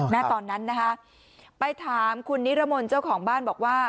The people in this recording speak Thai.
ตอนนั้นนะคะไปถามคุณนิรมนต์เจ้าของบ้านบอกว่า